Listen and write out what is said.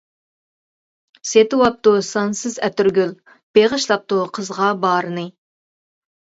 سېتىۋاپتۇ سانسىز ئەتىرگۈل، بېغىشلاپتۇ قىزغا بارىنى.